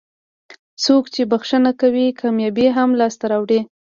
څوک چې بښنه کوي کامیابي هم لاسته راوړي.